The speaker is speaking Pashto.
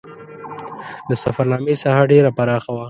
د سفرنامې ساحه ډېره پراخه وه.